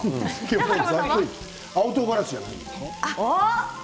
青とうがらしじゃないですか？